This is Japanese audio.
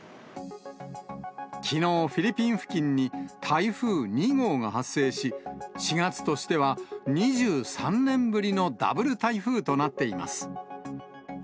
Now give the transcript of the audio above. きのう、フィリピン付近に台風２号が発生し、４月としては２３年ぶりのダブル台風となっています。